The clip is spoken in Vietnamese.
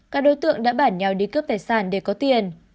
các đối tượng đã bản nhau đi cướp tài sản để có tiền